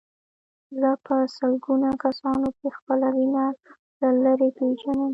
زه په سلګونه کسانو کې خپله وینه له لرې پېژنم.